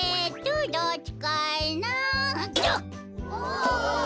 お。